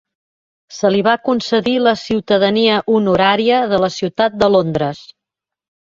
Se li va concedir la ciutadania honorària de la ciutat de Londres.